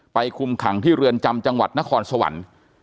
คุมขังที่เรือนจำจังหวัดนครสวรรค์